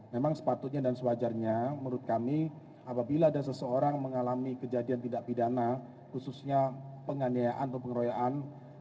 memang sepatutnya dan sewajarnya menurut kami apabila ada seseorang mengalami kejadian tidak pidana khususnya penganiayaan atau pengeroyokan